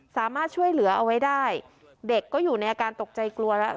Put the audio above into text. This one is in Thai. สามารถช่วยเหลือเอาไว้ได้เด็กก็อยู่ในอาการตกใจกลัวแล้ว